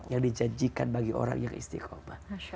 yang dijanjikan bagi orang yang istiqomah